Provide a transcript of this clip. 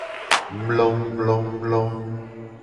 Mlomlomlo.